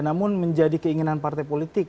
namun menjadi keinginan partai politik